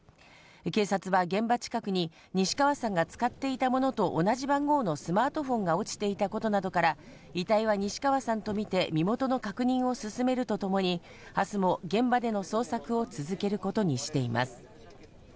警察は現場近くに西川さんが使っていたものと同じ番号のスマートフォンが落ちていたことなどから、遺体は西川さんとみて、身元の確認を進めるとともに明日も現場での捜索を続けることにしています。